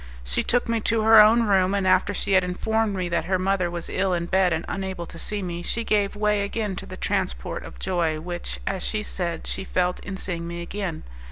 She took me to her own room, and after she had informed me that her mother was ill in bed and unable to see me, she gave way again to the transport of joy which, as she said, she felt in seeing me again.